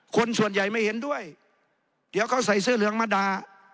คนส่วนใหญ่ไม่เห็นด้วยเดี๋ยวเขาใส่เสื้อเหลืองมาด่า